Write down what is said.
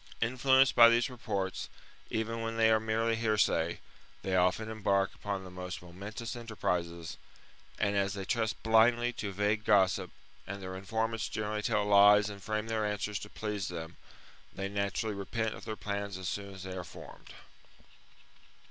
Influenced by these reports, even when they are merely hearsay, they often embark upon the most momentous enterprises ; and, as they trust blindly to vague gossip, and their informants generally tell lies and frame their answers to please them, they naturally repent of their plans as soon as they are formed.